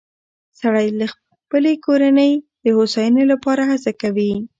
سړی د خپلې کورنۍ د هوساینې لپاره هڅه کوي